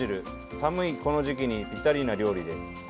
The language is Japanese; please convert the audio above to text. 寒いこの時期にぴったりな料理です。